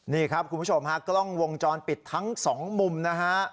นี่ครับคุณผู้ชมฮะกล้องวงจรปิดทั้งสองมุมนะฮะ